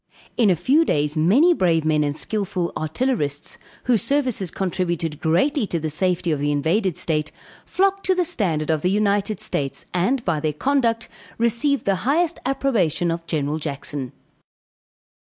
In a few days many brave men and skillful artillerists, whose services contributed greatly to the safety of the invaded state, flocked to the standard of the United States, and by their conduct, received the highest approbation of General Jackson.